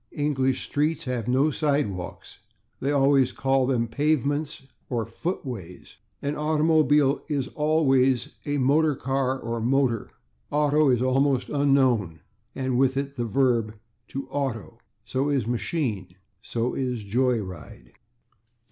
English streets have no /sidewalks/; they always call them /pavements/ or /footways/. An automobile is always a /motor car/ or /motor/. /Auto/ is almost unknown, and with it the verb /to auto/. So is /machine/. So is /joy ride